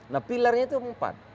nah pilarnya itu empat